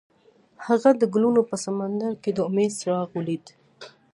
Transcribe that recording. هغه د ګلونه په سمندر کې د امید څراغ ولید.